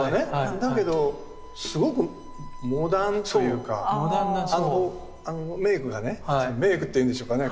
だけどすごくモダンというかメークがねメークっていうんでしょうかね